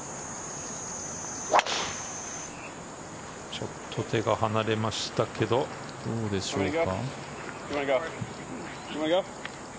ちょっと手が離れましたけどどうでしょうか。